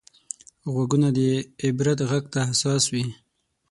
غوږونه د عبرت غږ ته حساس وي